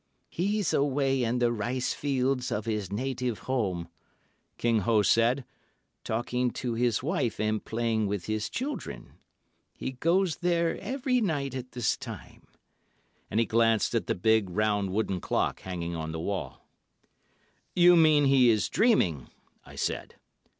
"He's away in the rice fields of his native home," King Ho said, "talking to his wife and playing with his children. He goes there every night at this time"—and he glanced at the big, round, wooden clock hanging on the wall. "You mean he is dreaming," I said.